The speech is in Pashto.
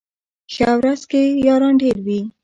ښه ورځ کي ياران ډېر وي